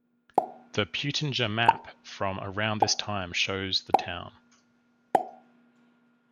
The Peutinger Map from around this time shows the town.